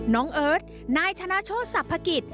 น้องเอิร์ทนายธนาโชศภกิจ